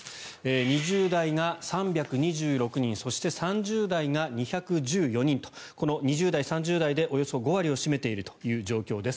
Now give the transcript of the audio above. ２０代が３２６人そして３０代が２１４人とこの２０代、３０代でおよそ５割を占めているという状況です。